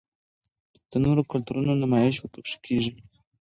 د نورو کلتورونو نمائش ورپکښې کـــــــــــــــــېږي